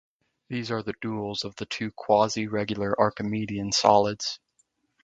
These are the duals of the two quasi-regular Archimedean solids.